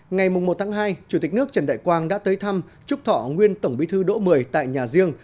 ngày một hai chủ tịch nước trần đại quang đã tới thăm chúc thọ nguyên tổng bí thư đỗ mười tại nhà riêng